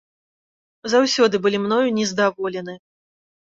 Заўсёды былі мною нездаволены.